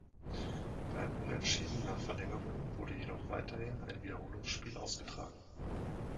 Bei einem Unentschieden nach Verlängerung wurde jedoch weiterhin ein Wiederholungsspiel ausgetragen.